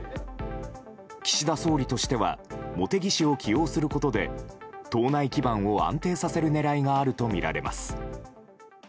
岸田総理としては茂木氏を起用することで党内基盤を安定させる狙いがあるとみられます。